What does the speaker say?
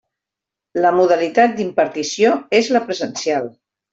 La modalitat d'impartició és la presencial.